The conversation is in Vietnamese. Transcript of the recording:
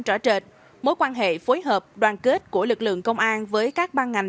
trở trệt mối quan hệ phối hợp đoàn kết của lực lượng công an với các ban ngành